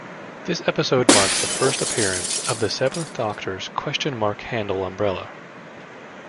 This episode marks the first appearance of the Seventh Doctor's question mark handle umbrella.